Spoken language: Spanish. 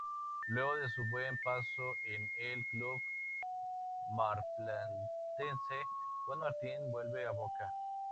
Luego de su buen paso en el club marplatense, Juan Martín vuelve a Boca.